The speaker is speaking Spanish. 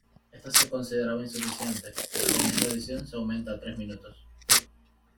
Esta se consideraba insuficiente, y en esta edición se aumento a tres minutos.